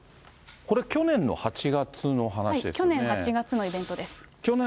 これ、去年の８月の話ですよね。